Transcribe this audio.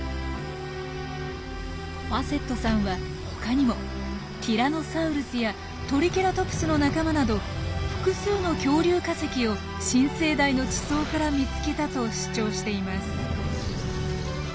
ファセットさんは他にもティラノサウルスやトリケラトプスの仲間など複数の恐竜化石を新生代の地層から見つけたと主張しています。